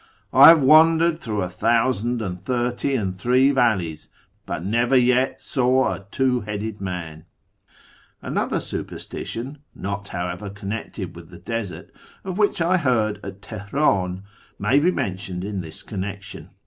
"I have wandered through a thousand and lliiity and tluve valleys, But never yet saw a two headed man !" Auother superstition (not, however, connected with the desert), of which I heard at Teheran, may be mentioned in this connection.